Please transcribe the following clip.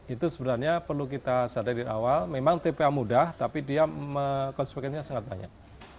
itu sebenarnya perlu kita sadari di awal memang tpa mudah tapi dia konspekuensinya sangat banyak